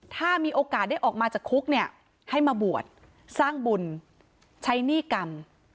ถ้ามีโอกาสได้ออกมาจากคุกเนี่ยให้มาบวชสร้างบุญใช้หนี้กรรม